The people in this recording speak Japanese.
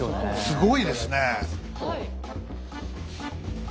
すごいですね！